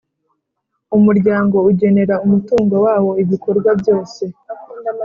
Umuryango ugenera umutungo wawo ibikorwa byose